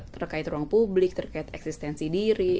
terkait ruang publik terkait eksistensi diri